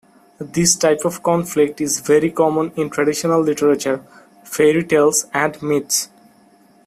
This type of conflict is very common in traditional literature, fairy tales and myths.